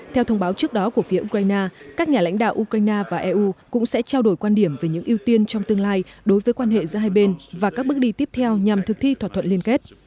theo thông báo trước đó của phía ukraine các nhà lãnh đạo ukraine và eu cũng sẽ trao đổi quan điểm về những ưu tiên trong tương lai đối với quan hệ giữa hai bên và các bước đi tiếp theo nhằm thực thi thỏa thuận liên kết